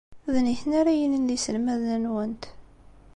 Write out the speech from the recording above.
D nitni ara yilin d iselmaden-nwent.